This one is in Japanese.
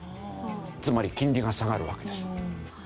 つまり金利が下がるわけです。